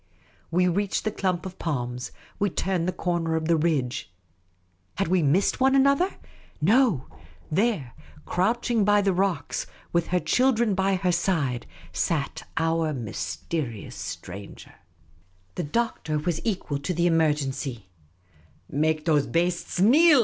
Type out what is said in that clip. We reached the clump of palms ; we turned the corner of the ridge. Had we missed one another ? No ! There, crouching by t le CROUCHING BY TME ROCKS SAT OUR MYSTKRIOUS STRANC.KR. rocks, with her children by her side, sat our mysterious stranger. The Doctor was equal to the emergency. " Make those bastes kneel